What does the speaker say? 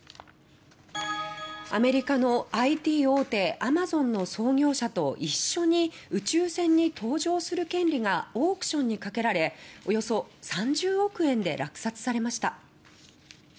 アメリカのＩＴ大手アマゾンの創業者と一緒に宇宙船に搭乗する権利がオークションにかけられおよそ３０億円で落札されました。